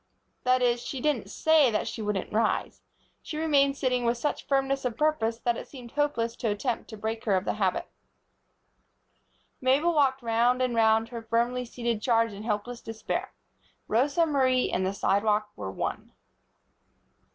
That is, she didn't say that she wouldn't rise. She remained sitting with such firmness of purpose that it seemed hopeless to attempt to break her of the habit. Mabel walked round and round her firmly seated charge in helpless despair. Rosa Marie and the sidewalk were one.